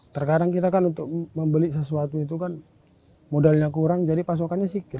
terkadang kita kan untuk membeli sesuatu itu kan modalnya kurang jadi pasokannya siket